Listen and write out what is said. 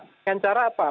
dengan cara apa